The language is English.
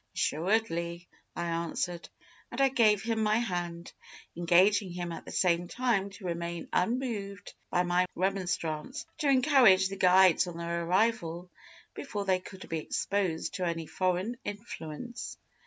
'Assuredly,' I answered; and I gave him my hand, engaging him at the same time to remain unmoved by any remonstrance, to encourage the guides on their arrival, before they could be exposed to any foreign influence.